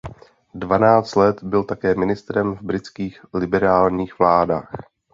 Dvanáct let byl také ministrem v britských liberálních vládách.